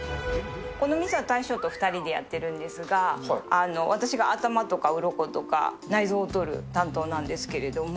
この店は大将と２人でやっているんですが、私が頭とかうろことか内臓を取る担当なんですけれども。